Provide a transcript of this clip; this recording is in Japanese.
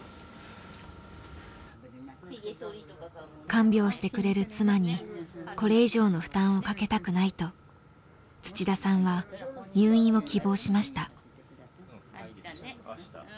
看病してくれる妻にこれ以上の負担をかけたくないと土田さんは入院を希望しました。